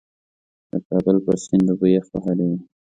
د کابل پر سیند اوبه یخ وهلې وې.